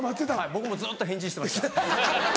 僕もずっと返事してました。